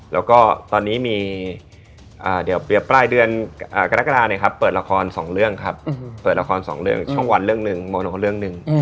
แล้วก็ตอนนี้มีเดี๋ยวเปรียบปลายเดือนกรกฎาเนี่ยครับเปิดละคร๒เรื่องครับเปิดละครสองเรื่องช่องวันเรื่องหนึ่งโมโนเรื่องหนึ่ง